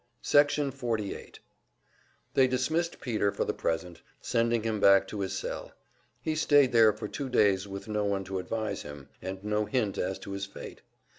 Section 48 They dismissed Peter for the present, sending him back to his cell. He stayed there for two days with no one to advise him, and no hint as to his fate.